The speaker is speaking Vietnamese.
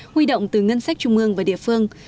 huy động từ ngân sách trung ương và địa phương